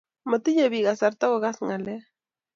matinye pik kasrata ko kas ngalek.